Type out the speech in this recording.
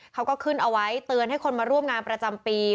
เขาก็ขึ้นเอาไว้เตือนให้คนมาร่วมงานประจำปี